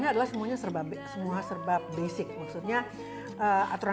ya diikuti mereka mau kemana karena aku tuh tipe ibu yang not terlalu tidak tidak terlalu banyak aturan